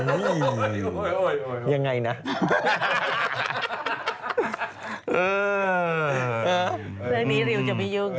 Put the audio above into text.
เรื่องนี้ริวจะไม่ยุ่ง